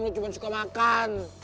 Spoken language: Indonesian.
lo cuma suka makan